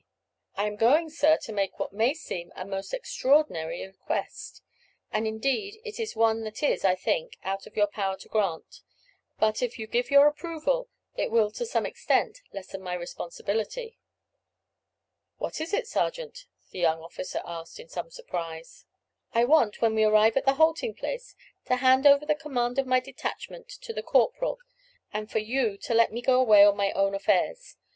"I am going, sir, to make what may seem a most extraordinary request, and indeed it is one that is, I think, out of your power to grant; but, if you give your approval, it will to some extent lessen my responsibility." "What is it, sergeant?" the young officer asked, in some surprise. "I want when we arrive at the halting place to hand over the command of my detachment to the corporal, and for you to let me go away on my own affairs.